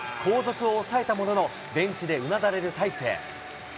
後続を抑えたものの、ベンチでうなだれる大勢。